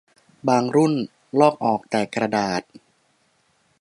บางรุ่นลอกออกแต่กระดาษ